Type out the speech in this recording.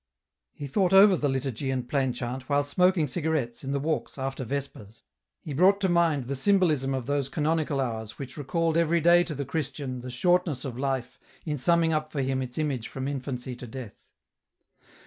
268 EN ROUTE. He thought over the liturgy and plain chant while smoking cigarettes, in the walks, after Vespers. He brought to mind the symbolism of those canonical hours which recalled every day to the Christian the shortness of life in summing up for him its image from infancy to death.